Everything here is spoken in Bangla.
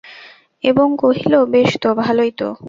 এবং কহিল, বেশ তো, ভালোই তো।